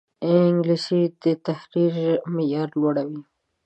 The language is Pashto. انګلیسي د تحریر معیار لوړوي